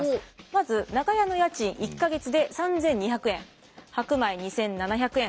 まず長屋の家賃１か月で３，２００円白米２，７００円